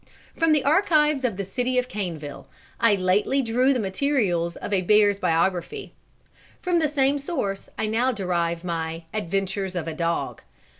From the archives of the city of Caneville, I lately drew the materials of a Bear's Biography. From the same source I now derive my "Adventures of a Dog."